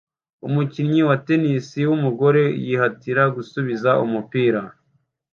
Umukinnyi wa tennis wumugore yihatira gusubiza umupira